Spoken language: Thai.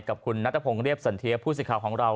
กับคุณนัทพงศ์เรียบสันเทียผู้สิทธิ์ของเรา